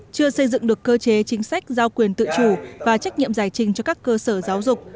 chưa xây dựng được cơ chế chính sách giao quyền tự chủ và trách nhiệm giải trình cho các cơ sở giáo dục